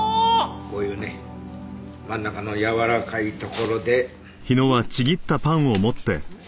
こういうね真ん中のやわらかいところで。